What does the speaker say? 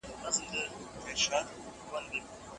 ولي د ایټالیا او افغانستان ترمنځ هوایي دهلیز شتون نه لري؟